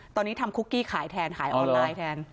ตอนนี้ทำคุกกี้ขายแทนขายออนไลน์แทน